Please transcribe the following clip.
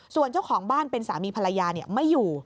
ส่วนเจ้าของบ้านเป็นสามีภรรยาไม่อยู่